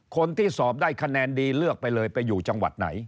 คนที่สอบได้คะแนนดีเลือกไปเลยไปอยู่จังหวัดไหน